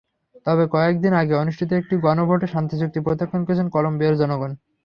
তবে কয়েক দিন আগে অনুষ্ঠিত একটি গণভোটে শান্তিচুক্তি প্রত্যাখ্যান করেছেন কলম্বিয়ার জনগণ।